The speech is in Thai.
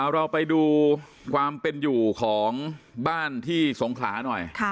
เราไปดูความเป็นอยู่ของบ้านที่สงขลาหน่อย